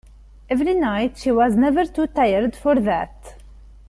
Every night she was never too tired for that.